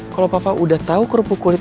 kalau papa udah tahu kerupuk kulit